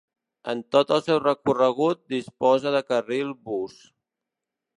En tot el seu recorregut, disposa de carril bus.